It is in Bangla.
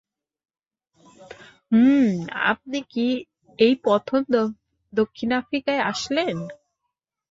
হুম আপনি কি এই প্রথম দক্ষিণ আফ্রিকায় আসলেন?